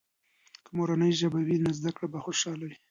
که مورنۍ ژبه وي، نو زده کړه به خوشحاله وي.